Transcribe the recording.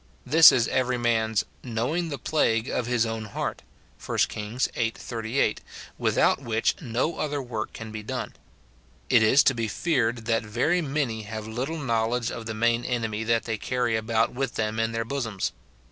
This is every man's " knowing the plague of his own heart," 1 Kings viii. 38, without which no other work can be done. It is to be feared that very many have little knowledge of the main enemy that they carry about with them in their bosoms.